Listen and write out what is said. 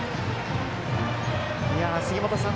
杉本さん